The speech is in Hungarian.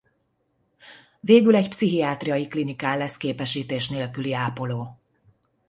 Végül egy pszichiátriai klinikán lesz képesítés nélküli ápoló.